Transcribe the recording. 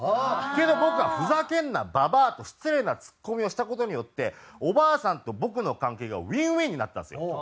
けど僕は「ふざけんなババア！」と失礼なツッコミをした事によっておばあさんと僕の関係がウィンウィンになったんですよ。